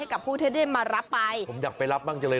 รับทีละคนอย่างนี้